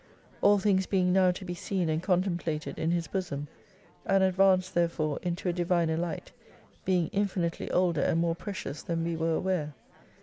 All things being now to be seen and contemplated in His bosom ; and advanced therefore into a Diviner Light, being infinitely older and more precious than we were aware.